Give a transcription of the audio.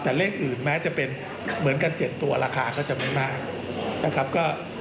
แต่เลขอื่นแม้จะเป็นเหมือนกัน๗ตัวราคาก็จะไม่มากนะครับ